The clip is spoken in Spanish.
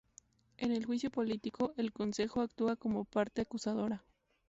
En el juicio político, el Consejo actúa como parte acusadora.